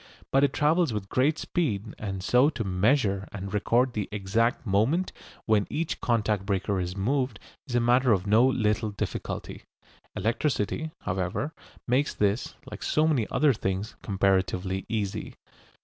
But it travels with great speed, and so to measure and record the exact moment when each contact breaker is moved is a matter of no little difficulty. Electricity, however, makes this, like so many other things, comparatively easy.